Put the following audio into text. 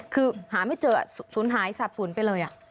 คือหาไม่เจอสูญหายสับสนไปเลย